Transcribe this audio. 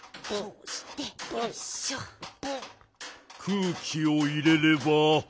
空気を入れれば